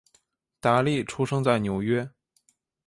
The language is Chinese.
达利出生在纽约。